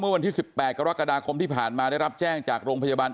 วันที่๑๘กรกฎาคมที่ผ่านมาได้รับแจ้งจากโรงพยาบาล